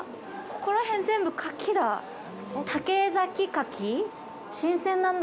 ここら辺、全部カキだ。